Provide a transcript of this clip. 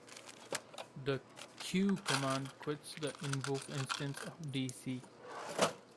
The 'q' command quits the invoked instance of dc.